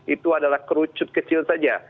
itu adalah kerucut kecil saja